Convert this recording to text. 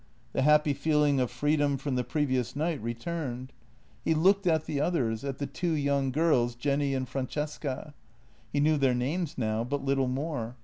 The happy feeling of free dom from the previous night returned. He looked at the others, JENNY 35 at the two young girls, Jenny and Francesca. He knew their names now, but little more.